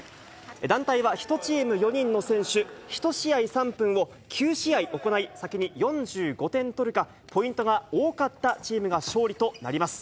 団体は１チーム４人の選手１試合３分を９試合行い、先に４５点取るか、ポイントが多かったチームが勝利となります。